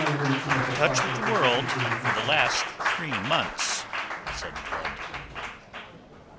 "Out of touch with the world for the last three months," said Blood.